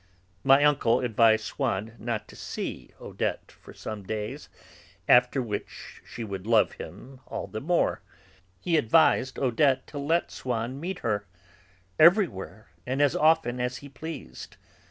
My uncle advised Swann not to see Odette for some days, after which she would love him all the more; he advised Odette to let Swann meet her everywhere, and as often as he pleased.